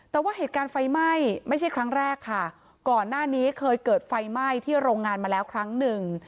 แต่ว่าเหตุการณ์ไฟไหม้ไม่ใช่ครั้งแรกค่ะก่อนหน้านี้เคยเกิดไฟไหม้ที่โรงงานมาแล้วครั้งหนึ่ง